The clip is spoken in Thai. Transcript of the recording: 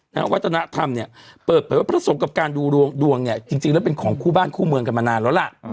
วัฒนธรรมเนี่ยเปิดเผยว่าพระสงฆ์กับการดูดวงดวงเนี่ยจริงแล้วเป็นของคู่บ้านคู่เมืองกันมานานแล้วล่ะ